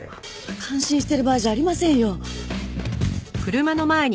感心してる場合じゃありませんよ。